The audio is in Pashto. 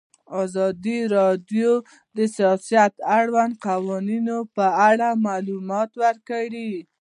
ازادي راډیو د سیاست د اړونده قوانینو په اړه معلومات ورکړي.